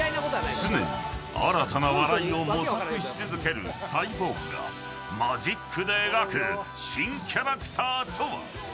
常に新たな笑いを模索し続けるサイボーグがマジックで描く新キャラクターとは。